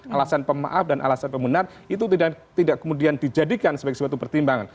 alasan pemaaf dan alasan pemenang itu tidak kemudian dijadikan sebagai suatu pertimbangan